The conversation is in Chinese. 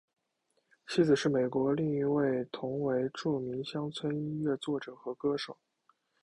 妻子是美国另一位同为著名乡村音乐作者和歌手。